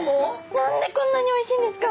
何でこんなにおいしいんですか？